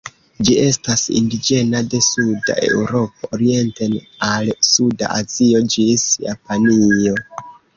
Ĝi estas indiĝena de suda Eŭropo orienten al suda Azio ĝis Japanio.